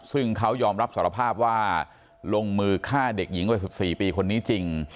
ซึ่งเขายอมรับสารภาพว่าลงมือฆ่าเด็กหญิงวัย๑๔ปีคนนี้จริง